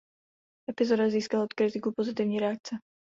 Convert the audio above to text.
Epizoda získala od kritiků pozitivní reakce.